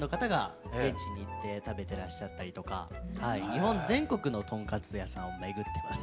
日本全国のとんかつ屋さんを巡ってます。